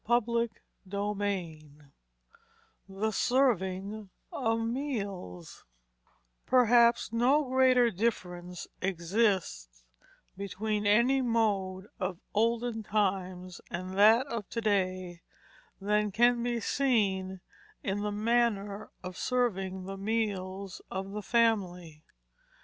CHAPTER IV THE SERVING OF MEALS Perhaps no greater difference exists between any mode of the olden times and that of to day, than can be seen in the manner of serving the meals of the family.